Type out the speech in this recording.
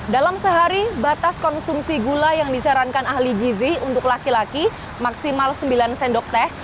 dalam sehari batas konsumsi gula yang disarankan ahli gizi untuk laki laki maksimal sembilan sendok teh